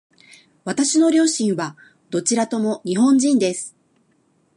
私の両親はどちらとも日本人です。